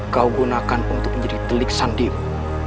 kau gunakan untuk menjadi telik sandimu